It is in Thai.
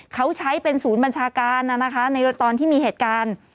เขาใช้เป็นศูนย์บัญชาการในตอนที่มีเหตุการณ์